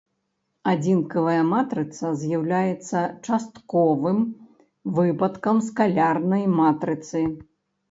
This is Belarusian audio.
Адзінкавая матрыца з'яўляецца частковым выпадкам скалярнай матрыцы.